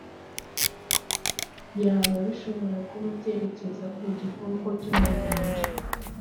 yb bishobora kuba byerekeza ku gikoko cyo mu nyanja